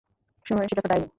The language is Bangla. সুনয়নী ছিল একটা ডাইনি।